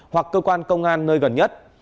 hoặc cơ quan công an nơi gần nhất